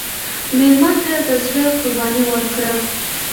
مېلمه ته د زړه قرباني ورکړه.